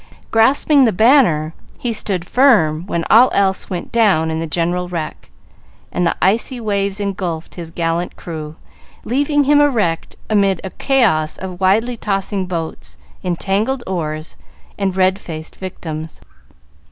Grasping the banner, he stood firm when all else went down in the general wreck, and the icy waves engulfed his gallant crew, leaving him erect amid a chaos of wildly tossing boots, entangled oars, and red faced victims.